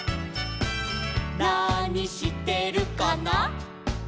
「なにしてるかな」